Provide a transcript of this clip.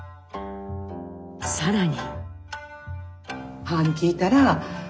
更に。